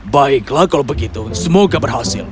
baiklah kalau begitu semoga berhasil